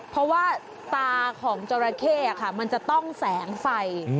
เพราะว่าตาของจราเข้มันจะต้องแสงไฟ